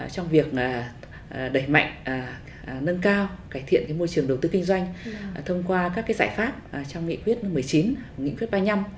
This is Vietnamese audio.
trong việc đẩy mạnh nâng cao cải thiện môi trường đầu tư kinh doanh thông qua các giải pháp trong nghị quyết một mươi chín nghị quyết ba mươi năm